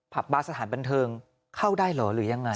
บาร์สถานบันเทิงเข้าได้เหรอหรือยังไง